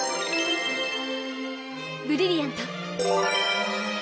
ブリリアント！